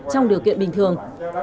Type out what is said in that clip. trong điều kiện bình thường